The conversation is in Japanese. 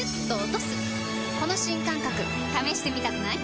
この新感覚試してみたくない？